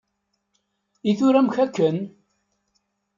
I tura amek akken?